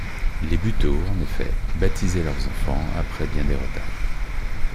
Les Buteau, en effet, baptisaient leur enfant, après bien des retards.